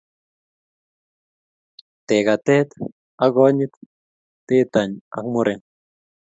Teekatet ana konyit Te tany ak muren